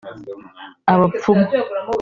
abapfumu